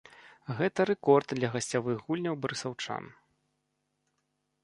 Гэта рэкорд для гасцявых гульняў барысаўчан.